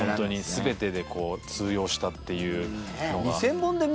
全てで通用したっていうのが。